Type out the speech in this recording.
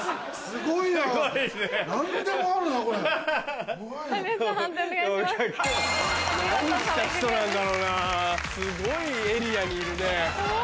すごいエリアにいるね。